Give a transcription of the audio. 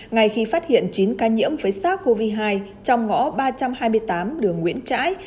ngay khi phát hiện chín ca nhiễm với sars cov hai trong ngõ ba trăm hai mươi tám đường nguyễn trãi